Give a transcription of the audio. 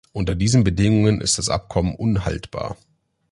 Unter diesen Bedingungen ist das Abkommen unhaltbar.